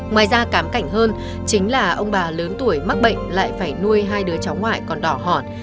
ngoài ra cám cảnh hơn chính là ông bà lớn tuổi mắc bệnh lại phải nuôi hai đứa cháu ngoại còn đỏ hòn